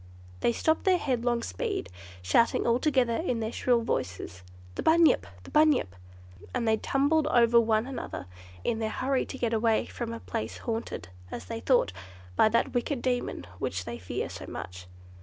They stopped in their headlong speed, shouting all together in their shrill voices, "The Bunyip! The Bunyip!" and they tumbled over one another in their hurry to get away from a place haunted, as they thought, by that wicked demon which they fear so much.